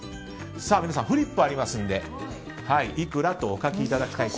皆さん、フリップありますのでいくらとお書きください。